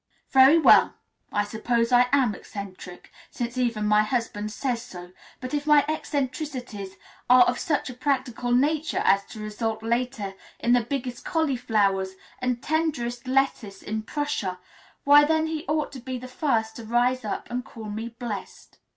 Very well, I suppose I am eccentric, since even my husband says so; but if my eccentricities are of such a practical nature as to result later in the biggest cauliflowers and tenderest lettuce in Prussia, why then he ought to be the first to rise up and call me blessed.